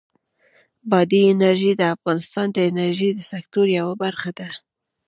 بادي انرژي د افغانستان د انرژۍ د سکتور یوه برخه ده.